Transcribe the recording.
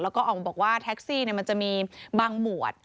แล้วก็ออกมาบอกว่าแท็กซี่มันจะมีบางหมวด